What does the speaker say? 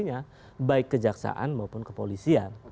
mereka punya fungsinya baik ke jaksaan maupun ke polisian